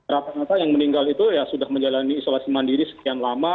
rata rata yang meninggal itu ya sudah menjalani isolasi mandiri sekian lama